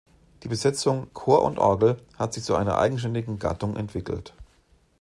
Die Besetzung "Chor und Orgel" hat sich zu einer eigenständigen Gattung entwickelt.